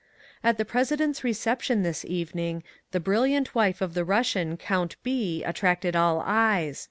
At the President's reception this evening the brilliant wife of the Bussian Count B. attracted all eyes.